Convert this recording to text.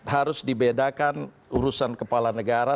harus dibedakan urusan kepala negara